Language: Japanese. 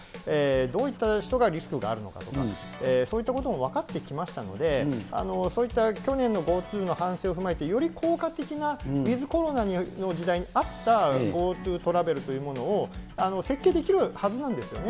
どういった人がリスクがあるのかとか、そういったことも分かってきましたので、そういった去年のＧｏＴｏの反省を踏まえて、より効果的なウィズコロナの時代に合ったＧｏＴｏトラベルというものを設計できるはずなんですよね。